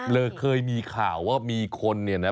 เลยเคยมีข่าวว่ามีคนเนี่ยนะ